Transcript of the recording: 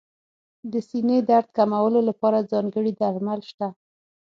د سینې درد کمولو لپاره ځانګړي درمل شته.